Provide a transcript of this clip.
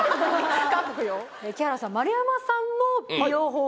韓国よ木原さん丸山さんの美容方法